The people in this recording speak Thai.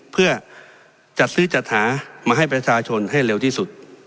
เพื่อจัดซื้อจัดหามาให้ประชาชนให้เร็วที่สุด